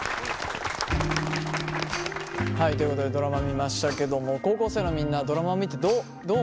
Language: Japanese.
はいということでドラマ見ましたけども高校生のみんなドラマを見てどう思いましたか？